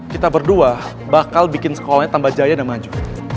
kita berdua bakal bikin sekolahnya tambah jaya dan maju